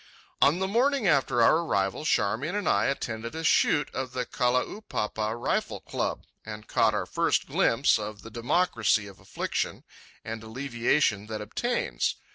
On the morning after our arrival Charmian and I attended a shoot of the Kalaupapa Rifle Club, and caught our first glimpse of the democracy of affliction and alleviation that obtains.